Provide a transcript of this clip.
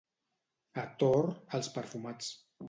A Tor, els perfumats.